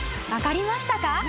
分かりましたか？］